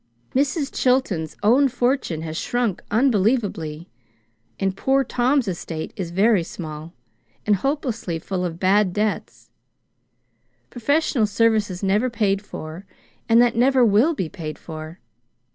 Mrs. Chilton's own fortune has shrunk unbelievably, and poor Tom's estate is very small, and hopelessly full of bad debts professional services never paid for, and that never will be paid for.